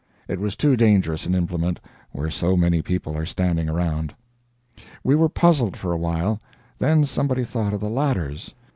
It was too dangerous an implement where so many people are standing around. We were puzzled for a while; then somebody thought of the ladders.